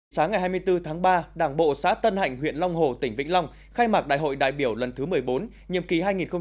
sáng ngày hai mươi bốn tháng ba đảng bộ xã tân hạnh huyện long hồ tỉnh vĩnh long khai mạc đại hội đại biểu lần thứ một mươi bốn nhiệm kỳ hai nghìn hai mươi hai nghìn hai mươi năm